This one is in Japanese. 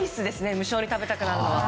無性に食べたくなるのは。